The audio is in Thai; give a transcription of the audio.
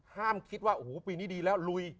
คิดว่าโอ้โหปีนี้ดีแล้วลุย